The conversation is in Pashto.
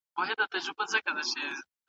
ملګری د انسان پیژندنه ده.